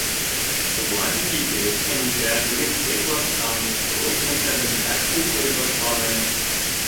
Шулай итеп, Әнисә беренсе кластан уҡ рус мәктәбендә уҡый башланы.